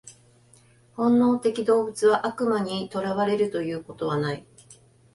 本能的動物は悪魔に囚われるということはない。